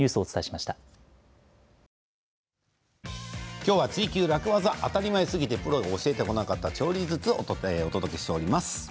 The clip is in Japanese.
今日は「ツイＱ楽ワザ」当たり前すぎてプロが教えてこなかった調理術をお届けしています。